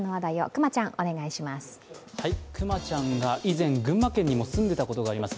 くまちゃんが以前群馬県にも住んでいたことがあります